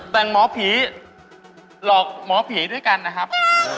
แต่งหมอผีหลอกหมอผีด้วยกันนะครับ